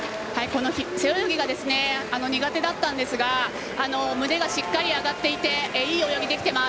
背泳ぎが苦手だったんですが腕がしっかり上がっていていい泳ぎできています。